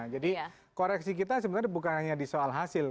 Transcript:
jadi koreksi kita sebenarnya bukan hanya di soal hasil